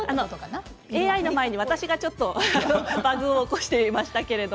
ＡＩの前に私がバグを起こしていました。